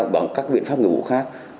bằng các biện pháp nghiệp vụ khác